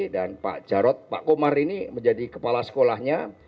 dan pak jarot pak komar ini menjadi kepala sekolahnya